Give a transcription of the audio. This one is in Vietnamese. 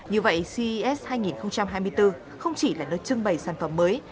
như vậy ces hai nghìn hai mươi bốn không chỉ là nơi trưng bày sản phẩm mới